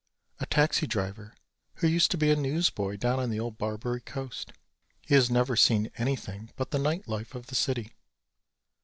A taxi driver who used to be a newsboy down on the old Barbary Coast. He has never seen anything but the night life of the city.